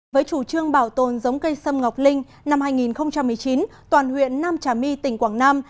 với chủ trương bảo tồn giống cây sâm ngọc linh năm hai nghìn một mươi chín toàn huyện nam trà my tỉnh quảng nam